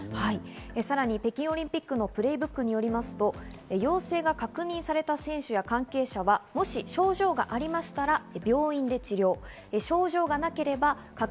さらに北京オリンピックのプレイブックにより、陽性が確認された選手や関係者はもし症状がありましたら、病院で治療。